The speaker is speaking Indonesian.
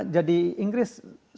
jadi inggris sudah menjadi sebuah negara